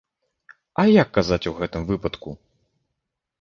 А як казаць у гэтым выпадку?